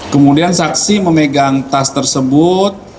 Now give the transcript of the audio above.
kemudian saksi memegang tas tersebut